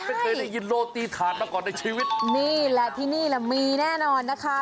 ไม่เคยได้ยินโรตีถาดมาก่อนในชีวิตนี่แหละที่นี่แหละมีแน่นอนนะคะ